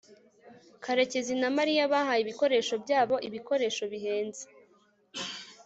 karekezi na mariya bahaye ibikoresho byabo ibikoresho bihenze